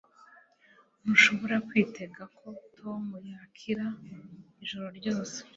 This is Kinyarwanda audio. ntushobora kwitega ko tom yakira ijoro ryose